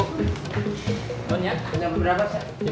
tentunya berapa ros